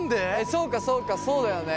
そうかそうかそうだよね。